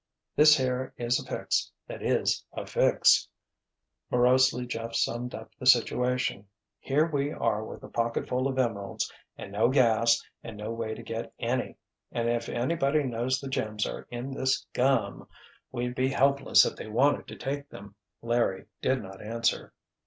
"This here is a fix that is a fix," morosely Jeff summed up the situation. "Here we are with a pocketful of emeralds—and no gas and no way to get to any—and if anybody knows the gems are in this gum—we'd be helpless if they wanted to take them." Larry did not answer.